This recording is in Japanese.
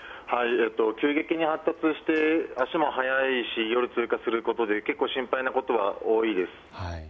急激に発達して足も速いし、夜、通過することで心配なことも多いです。